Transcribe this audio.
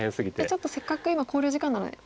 ちょっとせっかく今考慮時間なので。